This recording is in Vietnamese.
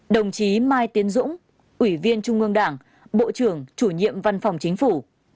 hai mươi bảy đồng chí mai tiến dũng ủy viên trung ương đảng bộ trưởng chủ nhiệm văn phòng chính phủ